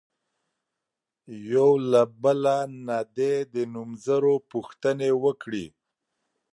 یو له بله نه دې د نومځرو پوښتنې وکړي.